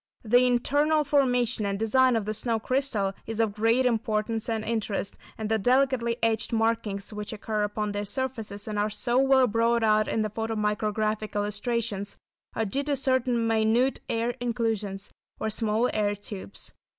The internal formation and design of the snow crystal is of great importance and interest, and the delicately etched markings which occur upon their surfaces, and are so well brought out in the photo micrographic illustrations, are due to certain minute air inclusions or small air tubes.